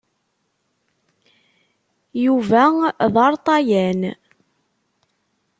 Yuba d aṛṭayan.